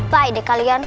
bye deh kalian